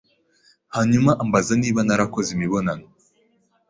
hanyuma ambaza niba narakoze imibonano